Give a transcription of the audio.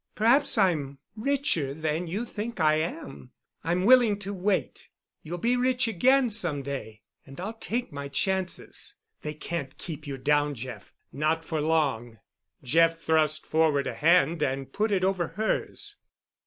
Perhaps I'm richer than you think I am. I'm willing to wait. You'll be rich again some day, and I'll take my chances. They can't keep you down, Jeff—not for long." Jeff thrust forth a hand and put it over hers.